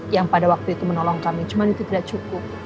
yang pada waktu itu menolong kami cuma itu tidak cukup